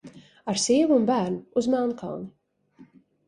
Ar sievu un bērnu uz Melnkalni!